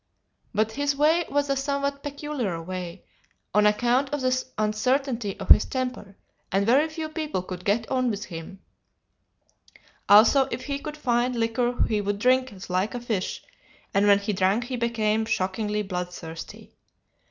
But his way was a somewhat peculiar way, on account of the uncertainty of his temper, and very few people could get on with him; also if he could find liquor he would drink like a fish, and when he drank he became shockingly bloodthirsty.